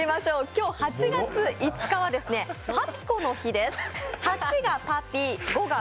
今日、８月５日はパピコの日です